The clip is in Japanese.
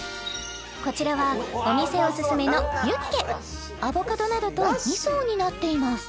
こちらはお店おすすめのユッケアボカドなどと２層になっています